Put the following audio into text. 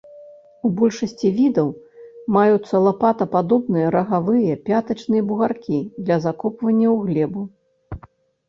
У большасці відаў маюцца лапатападобныя рагавыя пятачныя бугаркі для закопвання ў глебу.